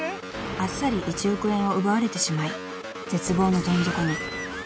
［あっさり１億円を奪われてしまい絶望のどん底に］